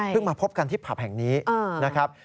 เพิ่งมาพบกันที่ปรับแห่งนี้นะครับ